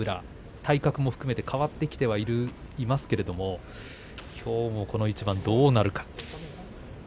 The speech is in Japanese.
体格も含めて変わってきてはいますけれどきょうもこの一番どうなるのか。